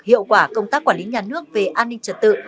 hiệu quả công tác quản lý nhà nước về an ninh trật tự